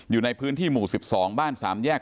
อยู่ในพื้นที่หมู่๑๒บ้าน๓แยก